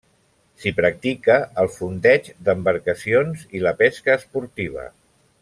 S'hi practica el fondeig d'embarcacions i la pesca esportiva.